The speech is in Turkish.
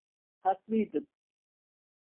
Haklıydın.